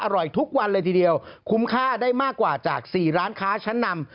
อร่อยทุกวันเลยทีเดียวคุ้มค่าได้มากกว่าจาก๔ร้านค้าชั้นนำ